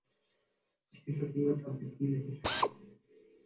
اس کی ضرورت اب اتنی نہیں رہی